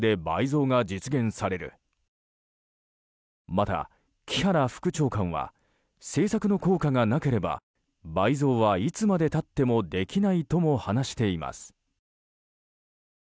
また木原副長官は政策の効果がなければ倍増は、いつまで経ってもできないとも話しています。